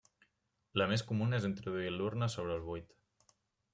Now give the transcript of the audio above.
La més comuna és introduir a l'urna el sobre buit.